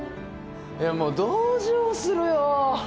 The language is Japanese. もう同情するよ。